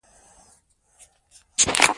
ملالۍ شهیده سوه.